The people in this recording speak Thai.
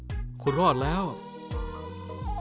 เฮอร์จิวินเสียงน่าเสียดาย